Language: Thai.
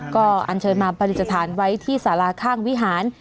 ก็อันเชิญมาปฏิสถานไว้ที่สาราข้างวิหาร